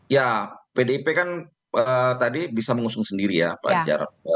ya pdip kan tadi bisa mengusung sendiri ya pak jarod